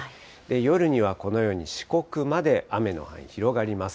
夜にはこのように四国まで雨の範囲、広がります。